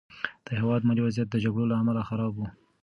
د هېواد مالي وضعیت د جګړو له امله خراب و.